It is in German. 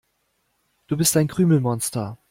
Du bist ein Krümelmonster.